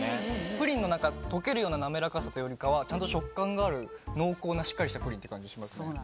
プリンの溶けるような滑らかさというよりかはちゃんと食感がある濃厚なしっかりしたプリンって感じします。